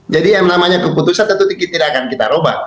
jadi yang namanya keputusan tentu tidak akan kita roba